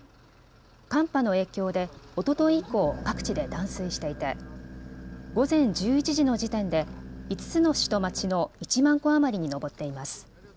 寒波の影響でおととい以降、各地で断水していて午前１１時の時点で５つの市と町の１万戸余りに上っています。